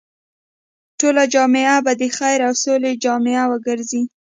ټوله جامعه به د خير او سولې جامعه وګرځي.